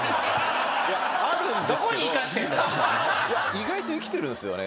意外といきてるんすよね